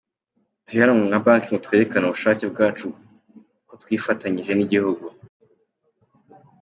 Turi hano nka banki ngo twerekane ubushake bwacu ko twifatanyije n’igihugu.